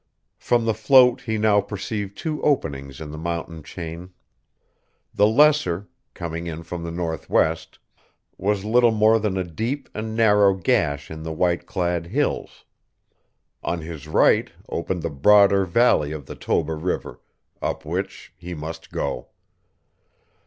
From the float he now perceived two openings in the mountain chain. The lesser, coming in from the northwest, was little more than a deep and narrow gash in the white clad hills. On his right opened the broader valley of the Toba River, up which he must go.